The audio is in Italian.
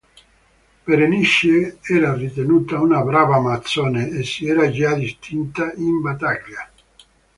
Berenice era ritenuta una brava amazzone e si era già distinta in battaglia.